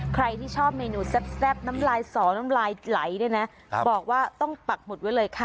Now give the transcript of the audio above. ใครที่ชอบเมนูแซ่บน้ำลายสอน้ำลายไหลเนี่ยนะบอกว่าต้องปักหมุดไว้เลยค่ะ